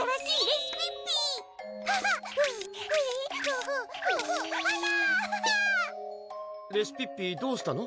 レシピッピどうしたの？